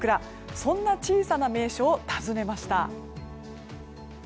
そんな小さな名所を訪ねました。